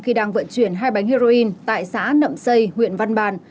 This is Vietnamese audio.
khi đang vận chuyển hai bánh heroin tại xã nậm xây huyện văn bàn